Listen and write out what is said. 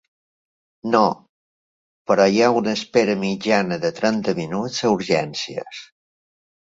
No, però hi ha una espera mitjana de trenta minuts a urgències.